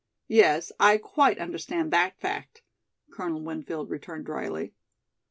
"Yes, I quite understand that fact," Colonel Winfield returned drily.